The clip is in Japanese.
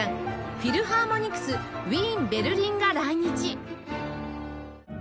フィルハーモニクスウィーン＝ベルリンが来日！